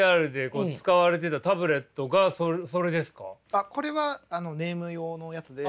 あっこれはネーム用のやつで。